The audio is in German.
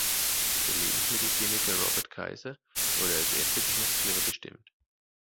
Der Lebensmittelchemiker Robert Kayser wurde als erster Geschäftsführer bestimmt.